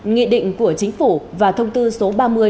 nghị định của chính phủ và thông tư số ba mươi